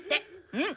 うん！